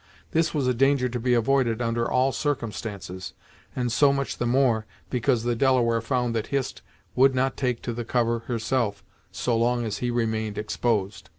This was a danger to be avoided under all circumstances, and so much the more, because the Delaware found that Hist would not take to the cover herself so long as he remained exposed.